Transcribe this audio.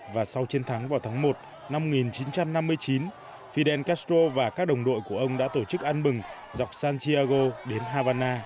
và sau chiến thắng vào tháng một năm một nghìn chín trăm năm mươi chín fidel castro và các đồng đội của ông đã tổ chức ăn bừng dọc santiago đến havanna